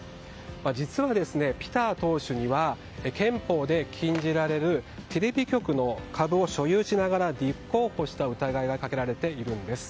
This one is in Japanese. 実は、ピター党首には憲法で禁じられるテレビ局の株を所有しながら立候補した疑いがかけられているんです。